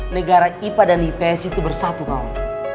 negara ipa dan ips itu bersatu mau